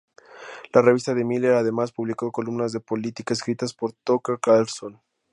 La revista de Miller, además, publicó columnas de política escritas por Tucker Carlson.